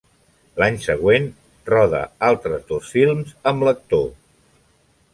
L'any següent, roda altres dos films amb l'actor.